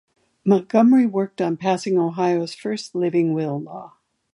Montgomery worked on passing Ohio's first living-will law.